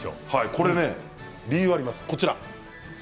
理由があります。